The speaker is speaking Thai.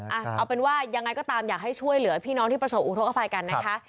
เอาเป็นว่ายังไงก็ตามอยากให้ช่วยเหลือพี่น้องที่ประสบอุทธกภัยกันนะคะ